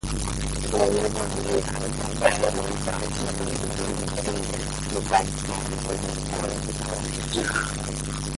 Wanyama waliokufa kwa ugonjwa wa kizunguzungu tegu hupatikana kwenye ubongo